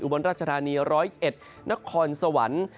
บนราชธานี๑๐๑นครสวรรค์